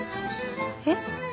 えっ？